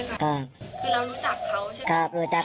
รู้จักกับคนเป็นเด็กแถวบ้านรู้จัก